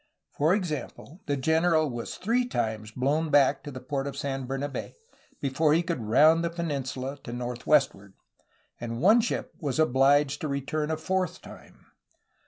For example, the general was three times blown back to the port of San Bernabe before he could round the peninsula to northwestward, and one ship was obliged to return a fourth time.